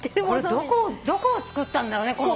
これどこを作ったんだろうね